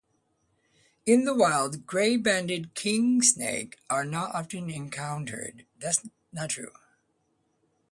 In the wild, gray-banded kingsnakes are not often encountered.